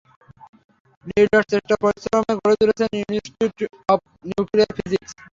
নিরলস চেষ্টা ও পরিশ্রমে গড়ে তুলেছেন ইনস্টিটিউট অব নিউক্লিয়ার ফিজিক্স।